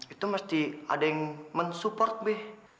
itu mesti ada yang mensupport bih